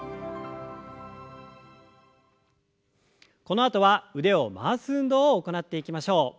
このあとは腕を回す運動を行っていきましょう。